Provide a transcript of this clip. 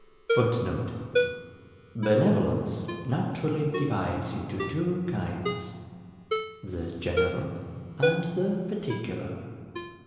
[Footnote: Benevolence naturally divides into two kinds, the GENERAL and the PARTICULAR.